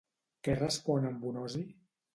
Què respon en Bonosi?